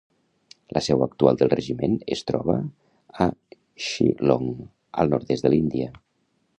La seu actual del regiment es troba a Shillong, al nord-est de l'Índia.